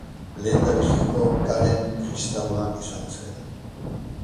Lehendabiziko karen kristaua izan zen.